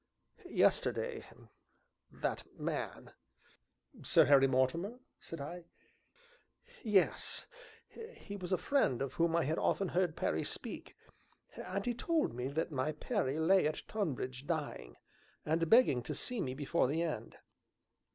Yesterday that man " "Sir Harry Mortimer?" said I. "Yes (he was a friend of whom I had often heard Perry speak); and he told me that my Perry lay at Tonbridge, dying, and begging to see me before the end.